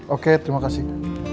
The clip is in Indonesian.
oke terima kasih